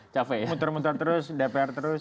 capek muter muter terus dpr terus